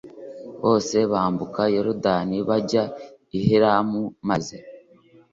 bose bambuka yorodani bajya i helamu maze